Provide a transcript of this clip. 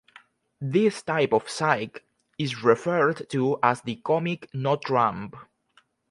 This type of psych is referred to as the comic notrump.